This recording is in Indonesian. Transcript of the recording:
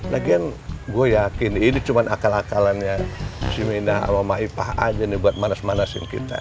lagian gue yakin ini cuma akal akalan yang si mina sama maipah aja nih buat manas manasin kita